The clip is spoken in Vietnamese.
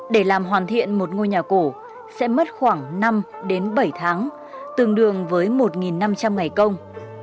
để làm hoàn thiện một ngôi nhà cổ sẽ mất khoảng năm đến bảy tháng tương đương với một năm trăm linh ngày công